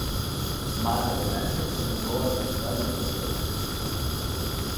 Más adelante se mudó a la ciudad de Nueva York.